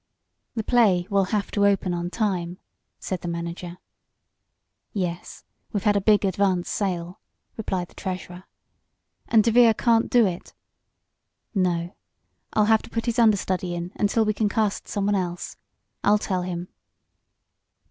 "The play will have to open on time," said the manager. "Yes, we've had a big advance sale," replied the treasurer. "And DeVere can't do it." "No. I'll have to put his understudy in until we can cast someone else. I'll tell him."